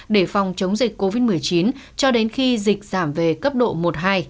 để phòng chống dịch covid một mươi chín cho đến khi dịch giảm về cấp độ một hai